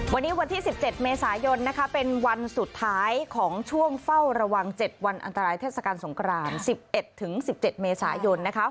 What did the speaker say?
วันนี้วันที่๑๗เมษายนนะคะเป็นวันสุดท้ายของช่วงเฝ้าระวัง๗วันอันตรายเทศกาลสงคราน๑๑๑๑๗เมษายนนะคะ